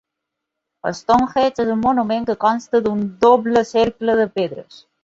Stonehenge és un monument que consta d'un doble cercle de pedres.